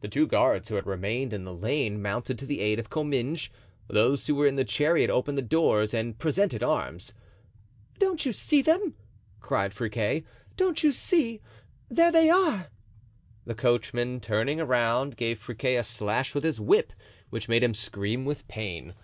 The two guards who had remained in the lane mounted to the aid of Comminges; those who were in the chariot opened the doors and presented arms. "Don't you see them?" cried Friquet, "don't you see? there they are!" The coachman turning around, gave Friquet a slash with his whip which made him scream with pain.